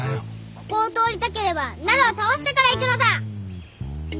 ここを通りたければなるを倒してから行くのだ！